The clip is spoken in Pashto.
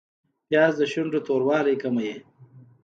پیاز د شونډو توروالی کموي